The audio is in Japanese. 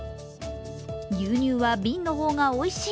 牛乳は瓶の方がおいしい。